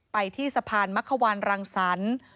ไปที่สะพานมักขวานรังสรรค์